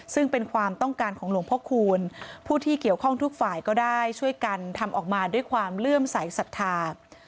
ซึ่งเป็นความต้องการของหลวงพ่อคูณผู้ที่เกี่ยวข้องทุกฝ่ายก็ได้ช่วยกันทำออกมาด้วยความเลื่อมใสสัทธา